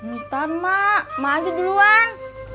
ntar ma ma aja duluan